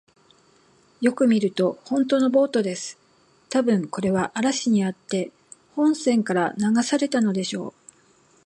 よく見ると、ほんとのボートです。たぶん、これは嵐にあって本船から流されたのでしょう。